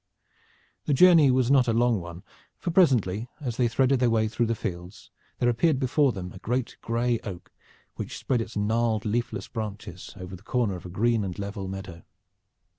The journey was not a long one, for presently, as they threaded their way through the fields, there appeared before them a great gray oak which spread its gnarled leafless branches over the corner of a green and level meadow.